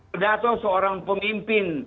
pidato seorang pemimpin